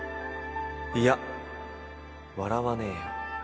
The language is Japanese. いや笑わねえよ